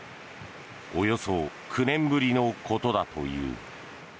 およそ９年ぶりのことだという。